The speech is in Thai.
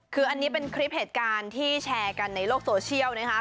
คืออันนี้เป็นคลิปเหตุการณ์ที่แชร์กันในโลกโซเชียลนะคะ